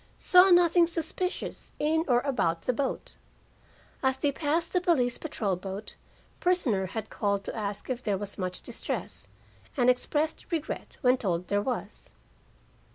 Saw nothing suspicious in or about the boat. As they passed the police patrol boat, prisoner had called to ask if there was much distress, and expressed regret when told there was.